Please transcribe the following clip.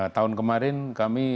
tahun kemarin kami